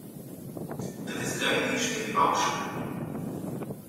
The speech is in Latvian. Tad es gaidīšu tevi augšā.